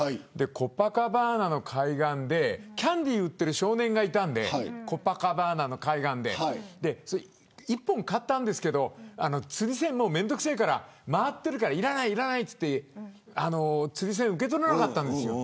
コパカバーナの海岸でキャンディーを売ってる少年がいたので１本買ったんですけど釣り銭が面倒くさいからいらない、いらないって釣り銭を受け取らなかったんです。